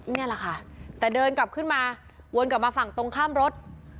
นี่แหละค่ะแต่เดินกลับขึ้นมาวนกลับมาฝั่งตรงข้ามรถ